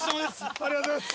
ありがとうございます。